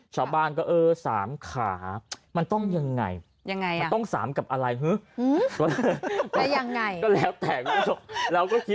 ชาวบ้านก็๓ขามันต้องยังไงต้อง๓กับอะไร